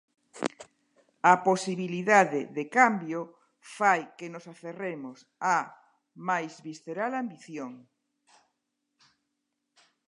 A posibilidade de cambio fai que nos aferremos á mais visceral ambición.